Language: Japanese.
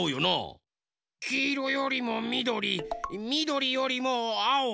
きいろよりもみどりみどりよりもあお。